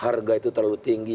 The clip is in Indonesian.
harga itu terlalu tinggi